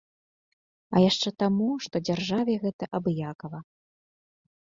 А яшчэ таму, што дзяржаве гэта абыякава.